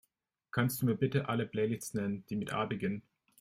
Kannst Du mir bitte alle Playlists nennen, die mit A beginnen?